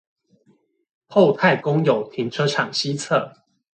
厚泰公有停車場西側